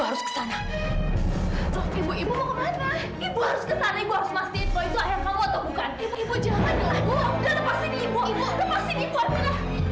pasti ibu ibu cuma penasaran aja dengan apa yang kamu ngomongin